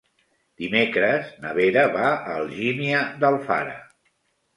Dimecres na Vera va a Algímia d'Alfara.